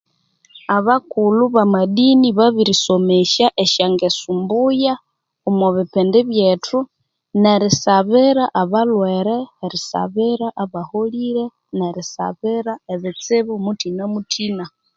Abakulhu bamadini babirisomesya esyangesu mbuya omo bipindi byethu nerisabira abalhwere, erisabira abaholire, nerisabira ebitsibu muthina muthina.